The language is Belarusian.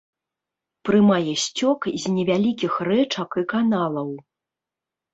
Прымае сцёк з невялікіх рэчак і каналаў.